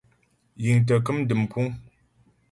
Yǐŋ tə kəm dəm kúŋ.